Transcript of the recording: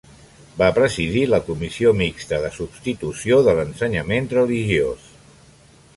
Va presidir la Comissió Mixta de substitució de l'ensenyament religiós.